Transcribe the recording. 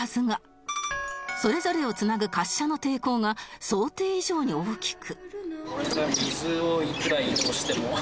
それぞれを繋ぐ滑車の抵抗が想定以上に大きく